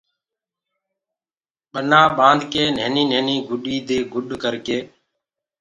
ٻنآ ٻآندڪي نهيني نهيني گدي دي گُڏ ڪرڪي